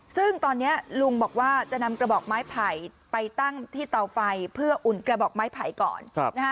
ซึ่งตอนนี้ลุงบอกว่าจะนำกระบอกไม้ไผ่ไปตั้งที่เตาไฟเพื่ออุ่นกระบอกไม้ไผ่ก่อน